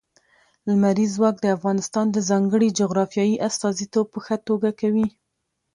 لمریز ځواک د افغانستان د ځانګړي جغرافیې استازیتوب په ښه توګه کوي.